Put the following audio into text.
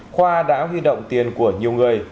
khoa đã huy động tiền của nhiều người